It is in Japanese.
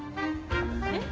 えっ？